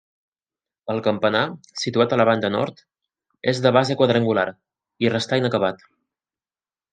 El campanar, situat a la banda nord, és de base quadrangular, i restà inacabat.